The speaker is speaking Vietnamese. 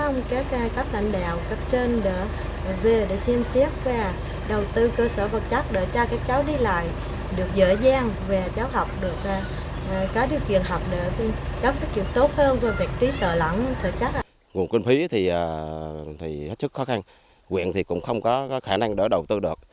nguồn kinh phí thì hết sức khó khăn huyện thì cũng không có khả năng đỡ đầu tư được